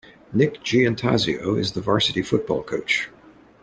Nick Giannatasio is the Varsity Football Coach.